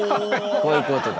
こういうことだ。